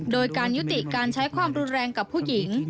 โดยการยุติการใช้ความรุนแรงกับผู้หญิง